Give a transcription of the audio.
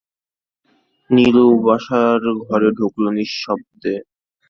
নীলু বসার ঘরে ঢুকল নিঃশব্দে।